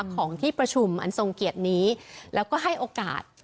ของที่ประชุมอันทรงเกียรตินี้แล้วก็ให้โอกาส